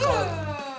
buang kuncinya ke laut